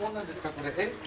これえっ？